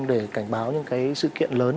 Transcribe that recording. để cảnh báo những cái sự kiện lớn